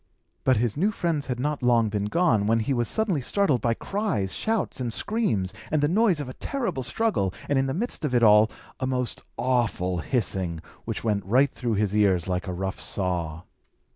But his new friends had not long been gone, when he was suddenly startled by cries, shouts, and screams, and the noise of a terrible struggle, and in the midst of it all, a most awful hissing, which went right through his ears like a rough saw.